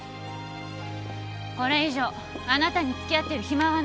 これ以上あなたに付き合ってる暇はないの